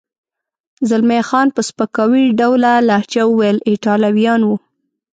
زلمی خان په سپکاوي ډوله لهجه وویل: ایټالویان و.